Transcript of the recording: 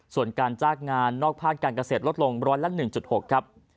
ส่วนการจ้างงานนอกภาคการเกษตรลดลงร้อยละ๑๖ครับ